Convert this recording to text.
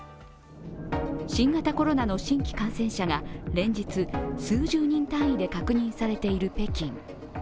新型コロナの新規感染者が連日数十人単位で確認されている北京。